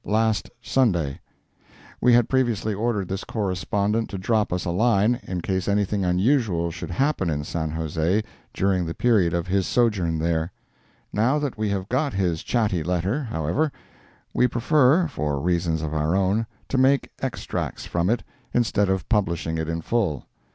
Last Sunday;" we had previously ordered this correspondent to drop us a line, in case anything unusual should happen in San Jose during the period of his sojourn there. Now that we have got his chatty letter, however, we prefer, for reasons of our own, to make extracts from it, instead of publishing it in full.